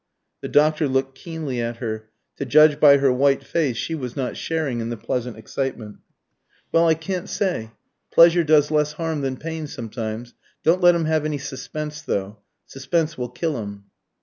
The doctor looked keenly at her. To judge by her white face she was not sharing in the pleasant excitement. "Well, I can't say. Pleasure does less harm than pain, sometimes. Don't let him have any suspense, though. Suspense will kill him."